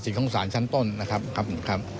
ว่าในการทำสำนวนเป็นยังไงที่มาที่ไปนะครับ